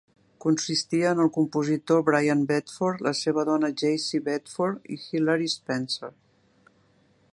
Consistia en el compositor Brian Bedford, la seva dona Jacey Bedford, i Hilary Spencer.